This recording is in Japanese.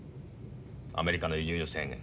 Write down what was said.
アメリカの輸入制限